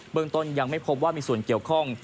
เมืองต้นยังไม่พบว่ามีส่วนเกี่ยวข้อง